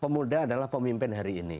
pemuda adalah pemimpin hari ini